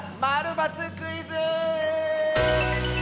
○×クイズ」！